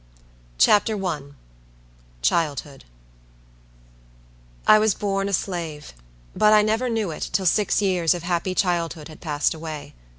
Childhood I was born a slave; but I never knew it till six years of happy childhood had passed away.